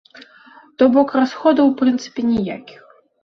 То бок расходаў у прынцыпе ніякіх.